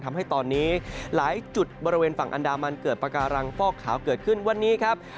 ทำให้ตอนนี้หลายจุดบริเวณฝั่งอันดามันเกิดปากการังฟอกขาวเกิดขึ้นวันนี้ครับ